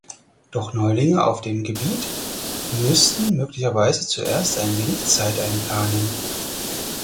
Doch Neulinge auf dem Gebiet müssten möglicherweise zuerst ein wenig Zeit einplanen.